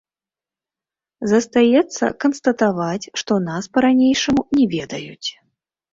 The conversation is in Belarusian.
Застаецца канстатаваць, што нас па-ранейшаму не ведаюць.